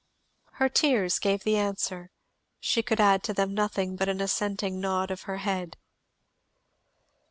Her tears gave the answer; she could add to them nothing but an assenting nod of her head.